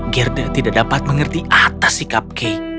gerda tidak dapat mengerti atas sikap kay